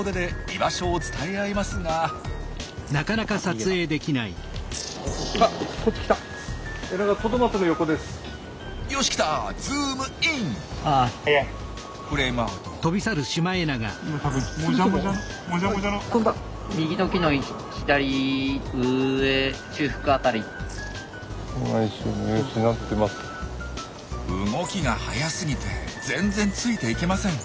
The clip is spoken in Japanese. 動きが速すぎて全然ついていけません。